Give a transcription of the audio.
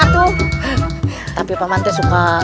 tapi pak man suka